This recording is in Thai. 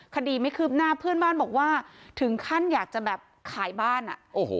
คดีไม่คืบหน้าเพื่อนบ้านบอกว่าถึงขั้นอยากจะแบบขายบ้านอ่ะโอ้โห